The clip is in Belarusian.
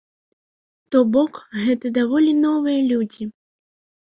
То бок гэта даволі новыя людзі.